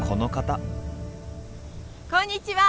こんにちは！